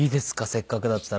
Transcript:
せっかくだったら。